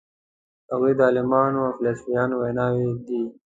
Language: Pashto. هغوی د عالمانو او فیلسوفانو ویناوی دي.